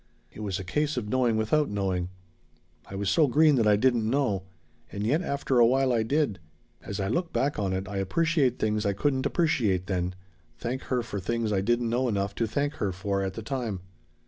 "It was a case of knowing without knowing. I was so green that I didn't know. And yet after a while I did. As I look back on it I appreciate things I couldn't appreciate then, thank her for things I didn't know enough to thank her for at the time.